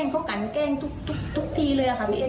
แบบเขาแกล้งเขากันแกล้งทุกทีเลยอ่ะค่ะพี่เอ็ด